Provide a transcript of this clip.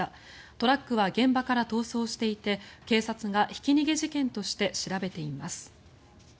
トラックは現場から逃走していて警察がひき逃げ事件として調べています。